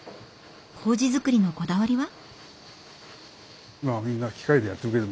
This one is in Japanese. こうじづくりのこだわりは？